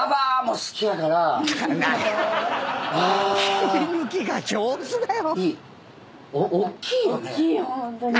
切り抜きが上手だよ。